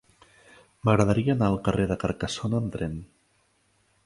M'agradaria anar al carrer de Carcassona amb tren.